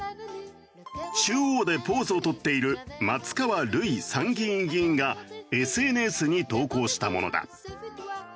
中央でポーズを取っている松川るい参議院議員がＳＮＳに投稿したものだ。